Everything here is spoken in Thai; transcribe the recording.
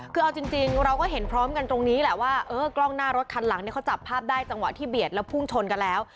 คือเอาจริงเราก็เห็นพร้อมกันตรงนี้แหละว่าเออกล้องหน้ารถคันหลังเนี่ยเขาจับภาพได้จังหวะที่เบียดแล้วพุ่งชนกันแล้ว